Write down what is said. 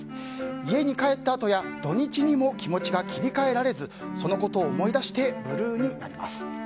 家に帰ったあとや土日にも気持ちが切り替えられずそのことを思い出してブルーになります。